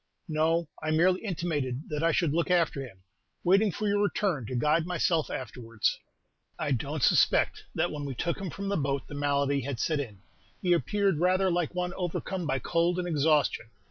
"No; I merely intimated that I should look after him, waiting for your return to guide myself afterwards." "I don't suspect that when we took him from the boat the malady had set in; he appeared rather like one overcome by cold and exhaustion.